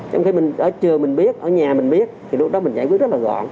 trong khi mình chưa mình biết ở nhà mình biết thì lúc đó mình giải quyết rất là gọn